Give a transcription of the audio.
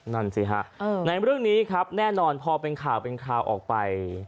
นั่นสิครับในเรื่องนี้ครับแน่นอนพอเป็นข่าวออกไป